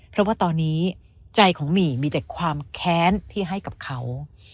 เพราะว่าตอนนี้ใจของหมี่มีแต่ความแค้นที่ให้กับเขา